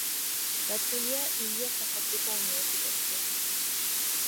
დაცულია ილიას სახელმწიფო უნივერსიტეტში.